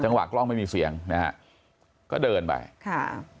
กล้องไม่มีเสียงนะฮะก็เดินไปค่ะ